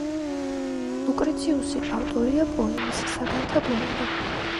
ლუკრეციუსი ავტორია პოემის „საგანთა ბუნება“.